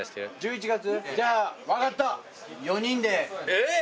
えっ！